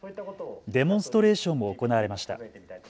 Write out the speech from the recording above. デモンストレーションも行われました。